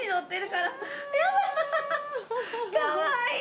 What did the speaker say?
かわいい！